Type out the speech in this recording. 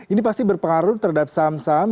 ini pasti berpengaruh terhadap saham saham